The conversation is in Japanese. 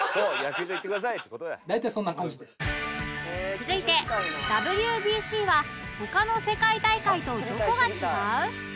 続いて ＷＢＣ は他の世界大会とどこが違う？